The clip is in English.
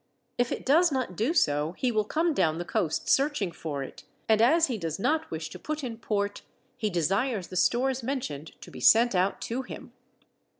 If it does not do so he will come down the coast searching for it, and as he does not wish to put in port, he desires the stores mentioned to be sent out to him.